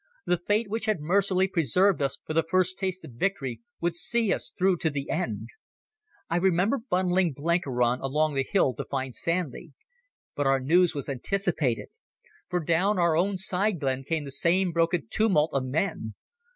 The fate which had mercifully preserved us for the first taste of victory would see us through to the end. I remember bundling Blenkiron along the hill to find Sandy. But our news was anticipated. For down our own side glen came the same broken tumult of men.